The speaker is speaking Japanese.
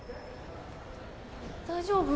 大丈夫？